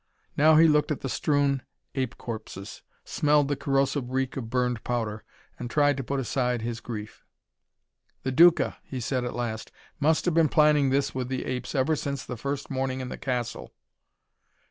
Now he looked at the strewn ape corpses, smelled the corrosive reek of burned powder, and tried to put aside his grief. "The Duca," he said at last, "must have been planning this with the apes ever since the first morning in the castle."